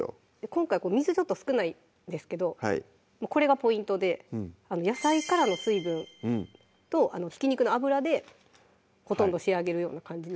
今回水ちょっと少ないですけどこれがポイントで野菜からの水分とひき肉の脂でほとんど仕上げるような感じ